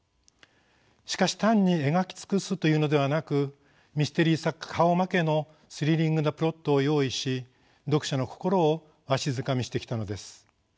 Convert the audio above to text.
しかし単に描き尽くすというのではなくミステリー作家顔負けのスリリングなプロットを用意し読者の心をわしづかみしてきたのです。